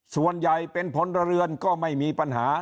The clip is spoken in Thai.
ส่วนใหญ่เป็นพลเรือนก็ไม่มีปัญหา